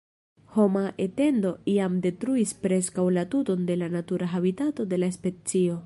Homa etendo jam detruis preskaŭ la tuton de la natura habitato de la specio.